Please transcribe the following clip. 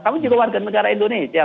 kami juga warga negara indonesia